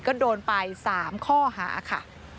ก็โดนไป๓ข้อหาค่ะ